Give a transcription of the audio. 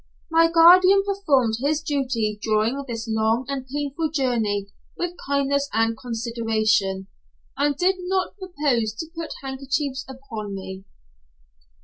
My guardian performed his duty during this long and painful journey with kindness and consideration, and did not propose to put handcuffs upon me.